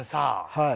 はい。